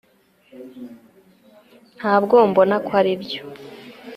ntabwo mbona ko aribyo